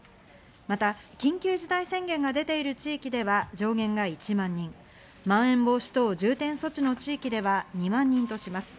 また緊急事態宣言が出ている地域では上限が１万人、まん延防止等重点措置の地域では２万人とします。